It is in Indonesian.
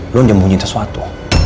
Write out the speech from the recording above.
lo nyembunyiin sesuatu